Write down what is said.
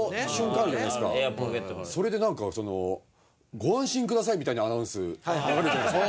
それでなんかその「ご安心ください」みたいなアナウンスあるじゃないですか。